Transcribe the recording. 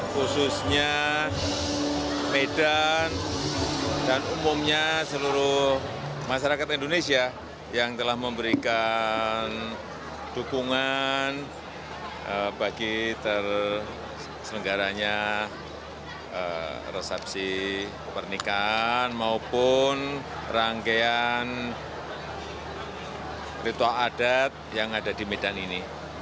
khususnya medan dan umumnya seluruh masyarakat indonesia yang telah memberikan dukungan bagi tersegaranya resepsi pernikahan maupun rangkaian ritual adat yang ada di medan ini